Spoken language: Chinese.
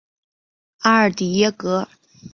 阿尔迪耶格。